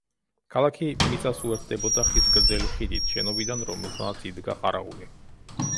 ქალაქი მიწას უერთდებოდა ხის გრძელი ხიდით, შენობიდან, რომელთანაც იდგა ყარაული.